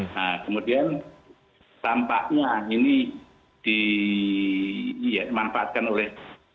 nah kemudian tampaknya ini dimanfaatkan oleh